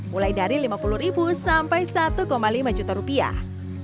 mulai dari lima puluh ribu sampai satu lima juta rupiah